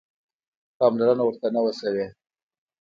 پاملرنه ورته نه وه شوې.